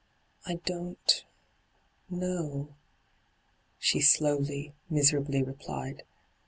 ' I don't — know,' she slowly, miserably replied.